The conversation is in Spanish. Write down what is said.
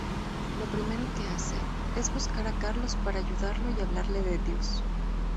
Lo primero que hace, es buscar a Carlos para ayudarlo y hablarle de Dios.